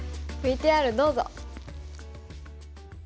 ＶＴＲどうぞ！